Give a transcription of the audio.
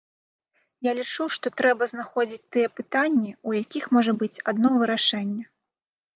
Я лічу, што трэба знаходзіць тыя пытанні, у якіх можа быць адно вырашэнне.